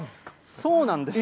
そうなんです。